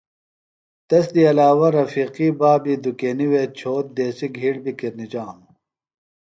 تس دی علاوہ رفیقی بابی دُکینیۡ وے چھوت دیسیۡ گِھیڑ بیۡ کِرنِجانوۡ۔